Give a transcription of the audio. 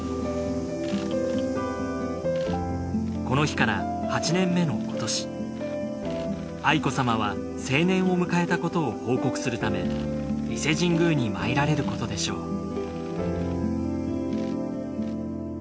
この日から８年目の今年愛子さまは成年を迎えたことを報告するため伊勢神宮に参られることでしょう